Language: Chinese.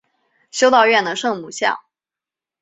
修道院的圣母像。